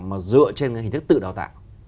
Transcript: mà dựa trên hình thức tự đào tạo